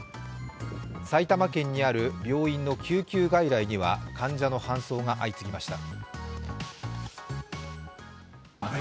埼玉県にある病院の救急外来には患者の搬送が相次ぎました。